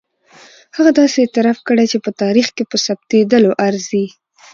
هغه داسې اعتراف کړی چې په تاریخ کې ثبتېدلو ارزي.